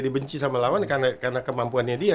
dibenci sama lawan karena kemampuannya dia